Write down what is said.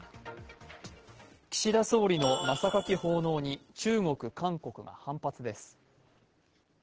岸田総理のまさかき奉納に中国、韓国が反発です。